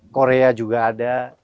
korea juga ada